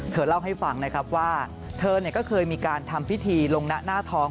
เธอเล่าให้ฟังนะครับว่าเธอก็เคยมีการทำพิธีลงหน้าทอง